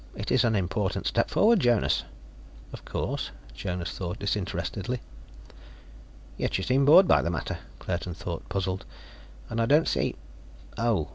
It is an important step forward, Jonas." "Of course," Jonas thought disinterestedly. "Yet you seem bored by the matter," Claerten thought, puzzled. "I don't see ... oh.